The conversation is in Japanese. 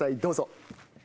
どうぞ。